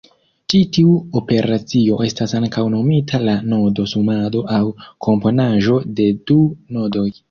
Ĉi tiu operacio estas ankaŭ nomita la nodo-sumado aŭ komponaĵo de du nodoj.